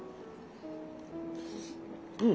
うん。